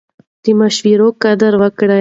د مشورو قدر وکړئ.